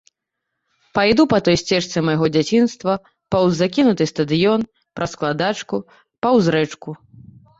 Пайду па той сцежцы майго дзяцінства, паўз закінуты стадыён, праз кладачку, паўз рэчку.